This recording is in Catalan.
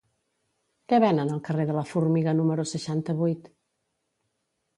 Què venen al carrer de la Formiga número seixanta-vuit?